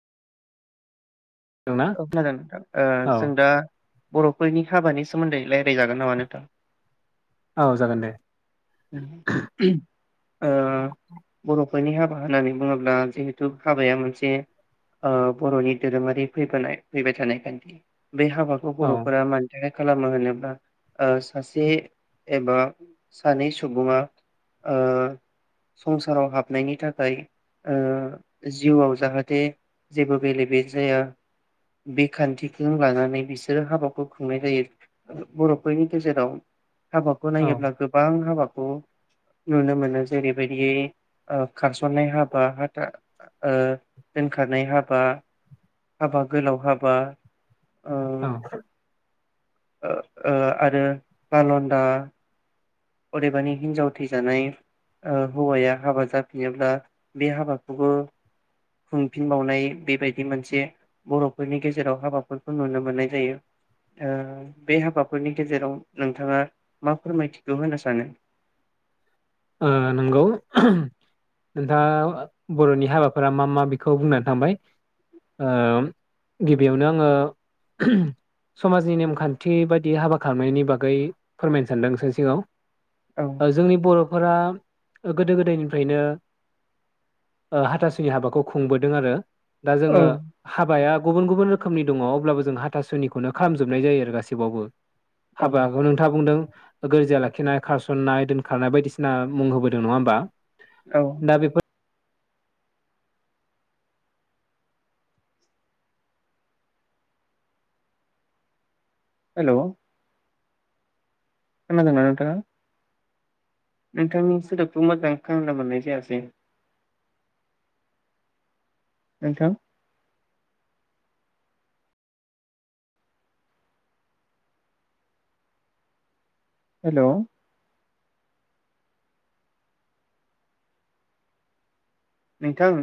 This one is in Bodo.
दोंना औ खोनादों नोंथां ओ औ जों दा बर'फोरनि हाबानि सोमोन्दै रायलायजागोन नामा नोंथां? औ जागोन दे। ओ बर'फोरनि हाबा होननानै बुङोब्ला जिहेथु हाबाया मोनसे ओ बर'नि दोरोमारि फैफानाय फैबाय थानाय खान्थि। बे हाबाखौ औ बर'फोरा मानि थाखाय खालामो होनोब्ला ओ सासे एबा सानै सुबुङा ओ संसाराव हाबनायनि थाखाय ओ जिउआव जाहाथे जेबो बेले बेजे जाया बे खान्थिखौ लानानै बिसोरो हाबाखौ खुंनाय जायो बर'फोरनि गेजेराव। हाबाखौ औ नायोब्ला गो बां हाबाखौ नुनो मोनो जेरैबायदि ओ खारसननाय हाबा, हाथा ओ दोनखारनाय हाबा, हाबा गोलाव हाबा, ओ ओं। ओ ओ आरो बालन्दा अदेबानि हिनजाव थैजानाय ओ हौवाया हाबा जाफिनोब्ला बे हाबाखौबो खुंफिनबावनाय बेबायदि मोनसे बर'फोरनि गेजेराव हाबाफोरखौ नुनो मोननाय जायो ओ बे हाबाफोरनि गेजेराव नोंथाङा मा फोरमायथि खौ होनो सानो? ओ नंगौ नोंथाङा बर'नि हाबाफोरा मा मा बेखौ बुंनानै थांबाय ओम गिबियावनो आङो समाजनि नेमखान्थि बायदि हाबा खालामनायनि बागै फोरमायनो सानदों नोंसोरनि सिगाङाव। औ ओ जोंनि बर' फ्रा ओ गोदो गोदायनिफ्रायनो ओ हाथासुनि हाबाखौ खुंबोदों आरो। दा जोङो औ हाबाया गुबुन गुबुन रोखोमनि दङ अब्लाबो जों हाथासुनिखौनो खालामजोबनाय जायो आरो गासैबावबो। हाबाखौ नोंथाङा बुंदों गोर्जिया लाखिनाय, खारसननाय, दोनखारनाय, बायदिसिना मुं होबोदों नङा होमबा? औ। दा बेफोर हेल'। खोनादोंना नोंथाङा नोंथांनि सोदोबखौ मोजां खोनानो मोननाय जायासै नोंथां। हेलौ। नोंथां